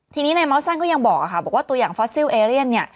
ทีนี้นายเมาซันก็ยังบอกว่าตัวอย่างฟอสซิลเอเรียนเนี่ย